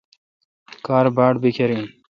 کار باڑ بیکھر این۔